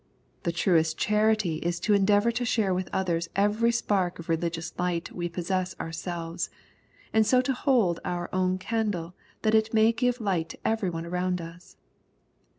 The truest charity is to endeavor to share with others every spark of religious light we possess ourselves, and so to hold our own candle that it may give light to ev^ry one around us.